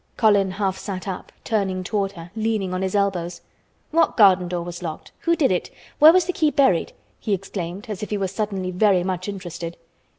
Colin half sat up, turning toward her, leaning on his elbows. "What garden door was locked? Who did it? Where was the key buried?" he exclaimed as if he were suddenly very much interested.